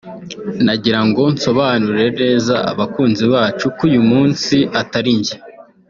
n agirango nsobanurire neza abakunzi bacu ko uyu muntu atari njye